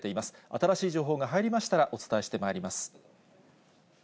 新しい情報が入りましたら、お伝えしてまいります。